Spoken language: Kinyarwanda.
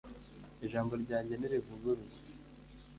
ijambo ryanjye ntirivuguruzwa: